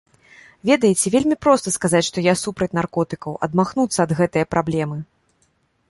Ведаеце, вельмі проста сказаць, што я супраць наркотыкаў, адмахнуцца ад гэтае праблемы.